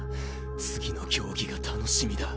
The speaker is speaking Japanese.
次の競技が楽しみだ。